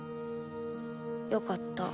よかった。